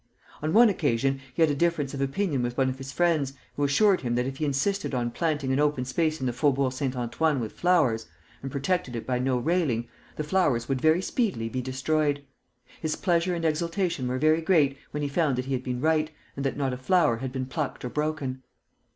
On one occasion he had a difference of opinion with one of his friends, who assured him that if he insisted on planting an open space in the Faubourg Saint Antoine with flowers, and protected it by no railing, the flowers would very speedily be destroyed. His pleasure and exultation were very great when he found he had been right, and that not a flower had been plucked or broken.